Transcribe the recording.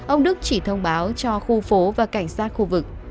ông đức chỉ thông báo cho khu phố và cảnh sát khu vực